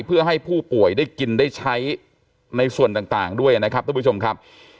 เพื่อให้ผู้ป่วยได้กินได้ใช้ในส่วนต่างด้วยนะครับทุกผู้ชมครับ